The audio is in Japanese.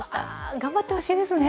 頑張ってほしいですね。